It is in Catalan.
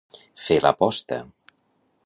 Fer la posta.